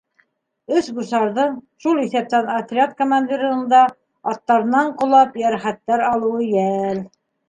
Өс гусарҙың, шул иҫәптән отряд командирының да аттарынан ҡолап, йәрәхәттәр алыуы йәл.